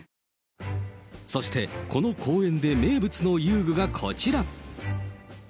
そして、この公園で名物の遊具がこちら。